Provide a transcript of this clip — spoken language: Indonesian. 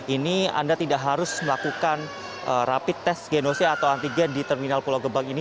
ini anda tidak harus melakukan rapid test genosia atau antigen di terminal pulau gebang ini